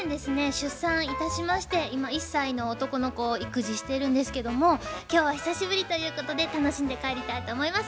出産いたしまして今１歳の男の子を育児してるんですけども今日は久しぶりということで楽しんで帰りたいと思います。